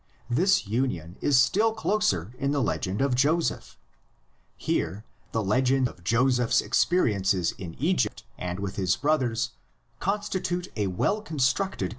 This union is still closer in the legend of Joseph. Here the legends of Joseph's experiences in Egypt and with his brothers constitute a well constructed com THE LA TER COLLECTIONS.